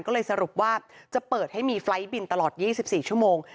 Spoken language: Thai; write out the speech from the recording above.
ก็เลยสรุปว่าจะเปิดให้มีไฟล์ทบินตลอด๒๔ชั่วโมง